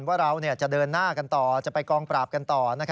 ว่าเราจะเดินหน้ากันต่อจะไปกองปราบกันต่อ